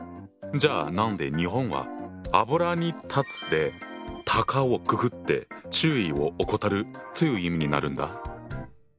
じゃあ何で日本は油に断つで「たかをくくって注意を怠る」という意味になるんだ？